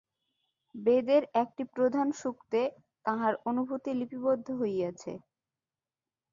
বেদের একটি প্রধান সূক্তে তাঁহার অনুভূতি লিপিবদ্ধ হইয়াছে।